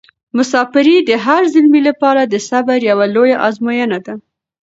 مساپري د هر زلمي لپاره د صبر یوه لویه ازموینه ده.